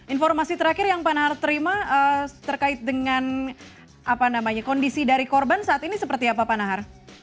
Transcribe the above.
informasi terakhir yang pak nahar terima terkait dengan kondisi dari korban saat ini seperti apa pak nahar